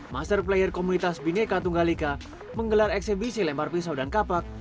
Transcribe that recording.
master player komunitas bineka tunggal ika menggelar eksebisi lempar pisau dan kapak